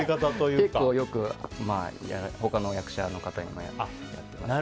結構、他の役者の方にもそうやってましたね。